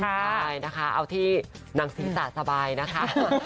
ใช่นะคะเอาที่นางศีรษะสบายนะคะ